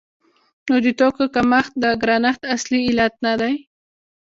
نو د توکو کمښت د ګرانښت اصلي علت نه دی.